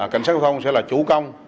cảnh sát giao thông sẽ là chủ công